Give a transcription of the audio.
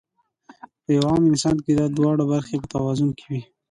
پۀ يو عام انسان کې دا دواړه برخې پۀ توازن کې وي -